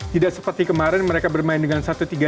tidak seperti kemarin mereka bermain dengan satu tiga